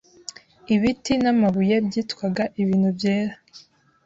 Ibiti namabuye byitwaga ibintu byera